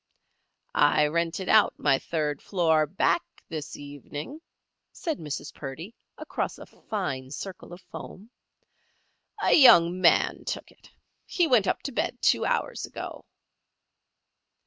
"I rented out my third floor, back, this evening," said Mrs. Purdy, across a fine circle of foam. "A young man took it. He went up to bed two hours ago."